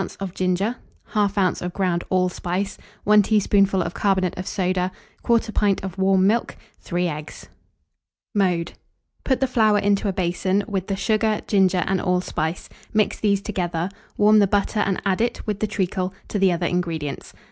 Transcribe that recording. of ginger, 1/2 oz. of ground allspice, 1 teaspoonful of carbonate of soda, 1/4 pint of warm milk, 3 eggs. [Illustration: GINGERBREAD.] Mode. Put the flour into a basin, with the sugar, ginger, and allspice; mix these together; warm the butter, and add it, with the treacle, to the other ingredients.